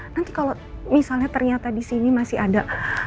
nanti kalau misalnya ternyata disini masih ada